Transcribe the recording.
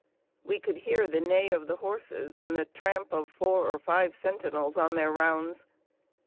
We could hear the neigh of the horses and the tramp of four or five sentinels on their rounds.